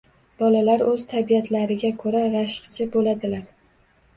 Bolalar o‘z tabiatlariga ko‘ra rashkchi bo‘ladilar.